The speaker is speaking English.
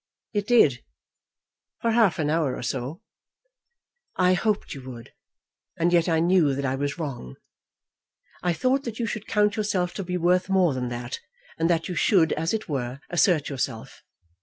"It did; for half an hour or so." "I hoped you would, and yet I knew that I was wrong. I thought that you should count yourself to be worth more than that, and that you should, as it were, assert yourself.